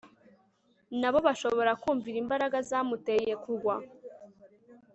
nabo bashobora kumvira imbaraga zamuteye kugwa